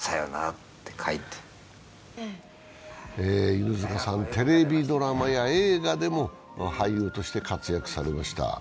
犬塚さん、テレビドラマや映画でも俳優として活躍されました。